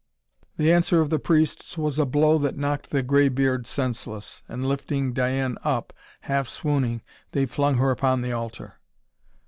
The answer of the priests was a blow that knocked the graybeard senseless, and lifting Diane up, half swooning, they flung her upon the altar.